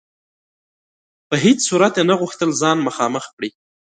په هیڅ صورت یې نه غوښتل ځان مخامخ کړي.